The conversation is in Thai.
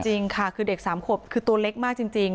จริงค่ะคือเด็ก๓ขวบคือตัวเล็กมากจริง